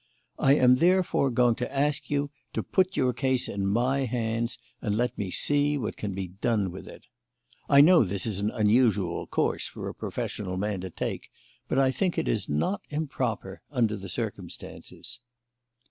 I am therefore going to ask you to put your case in my hands and let me see what can be done with it. I know this is an unusual course for a professional man to take, but I think it is not improper under the circumstances."